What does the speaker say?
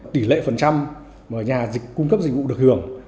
tỷ lệ phần trăm mà nhà cung cấp dịch vụ được hưởng